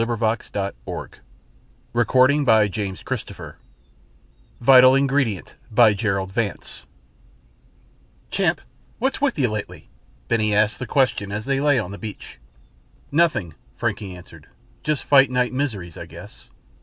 This left only one thing in doubt, the _ VITAL INGREDIENT By GERALD VANCE "Champ, what's with ya lately?" Benny asked the question as they lay on the beach. "Nothing," Frankie answered. "Just fight nite miseries, I guess."